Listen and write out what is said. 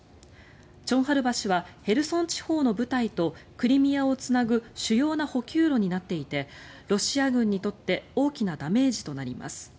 チョンハル橋はヘルソン地方の部隊とクリミアをつなぐ主要な補給路になっていてロシア軍にとって大きなダメージとなります。